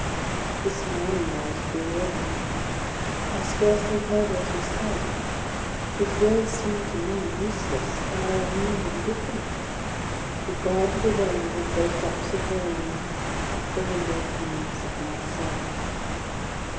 This morning I was bewildered; I scarcely heard what he said; his words seemed to me useless, and I remained indiffer ent ; they glided away like those drops of rain off the window panes of my cell.